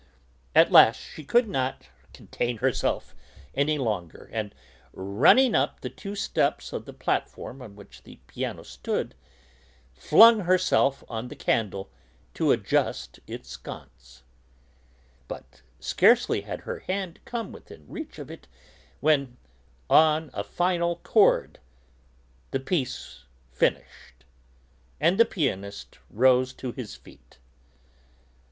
At last she could contain herself no longer, and, running up the two steps of the platform on which the piano stood, flung herself on the candle to adjust its sconce. But scarcely had her hand come within reach of it when, on a final chord, the piece finished, and the pianist rose to his feet.